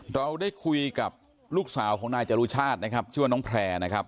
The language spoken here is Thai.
เราได้คุยกับลูกสาวของนายจรุชาตินะครับชื่อว่าน้องแพร่นะครับ